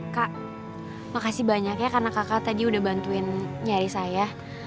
kak makasih banyak ya karena kakak tadi udah bantuin nyari saya